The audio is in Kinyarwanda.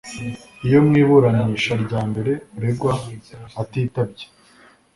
Iyo mu iburanisha rya mbere uregwa atitabye